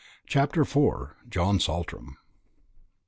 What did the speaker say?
CHAPTER IV. JOHN SALTRAM.